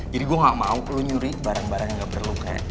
jadi gue gak mau lo nyuri barang barang yang gak perlu kayak